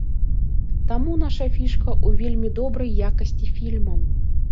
Таму наша фішка ў вельмі добрай якасці фільмаў.